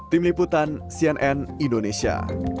tim liputan cnn indonesia